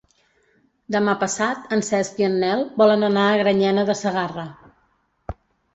Demà passat en Cesc i en Nel volen anar a Granyena de Segarra.